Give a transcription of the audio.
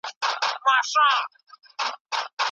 ښه ذهنیت فشار نه زیاتوي.